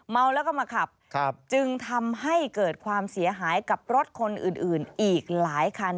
เมาแล้วก็มาขับจึงทำให้เกิดความเสียหายกับรถคนอื่นอีกหลายคัน